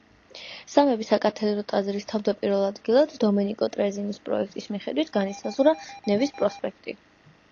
სამების საკათედრო ტაძრის თავდაპირველ ადგილად, დომენიკო ტრეზინის პროექტის მიხედვით განისაზღვრა ნევის პროსპექტი.